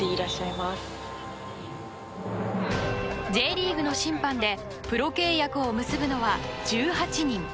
Ｊリーグの審判でプロ契約を結ぶのは１８人。